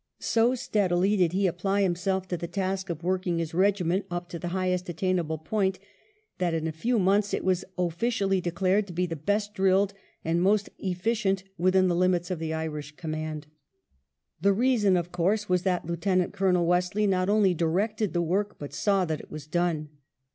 So steadily did he apply himself to the task of working his regiment up to the highest attainable point, that iu a few months.it was ojfficially declared to be the best drilled and most efficient within the limits of the Irish command. The reason, of course, was that Lieutenant Colonel Wesley not only directed the work but saw that it was done.